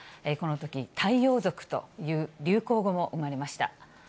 このとき、太陽族という流行語も生まれました。